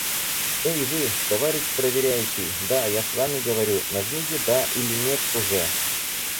Эй вы, товарищ проверяющий. Да, я с вами говорю, нажмите "Да" или "Нет" уже.